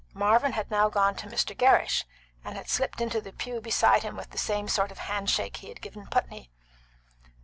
Marvin had now gone to Mr. Gerrish, and had slipped into the pew beside him with the same sort of hand shake he had given Putney.